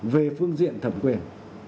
về phương diện thẩm quyền